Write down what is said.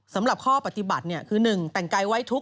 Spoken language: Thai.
สำหรับข้อปฏิบัติคือ๑แต่งกายไว้ทุกข